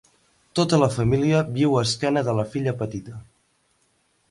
Tota la família viu a esquena de la filla petita.